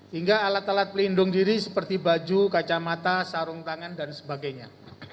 hingga alat alat pelindung diri seperti baju kacamata sarung tangan dan sebagainya